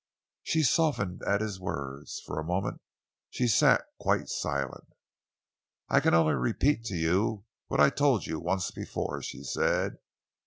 She softened at his words. For a moment she sat quite silent. "I can only repeat to you what I told you once before," she said.